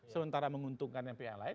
sementara menguntungkan yang pihak lain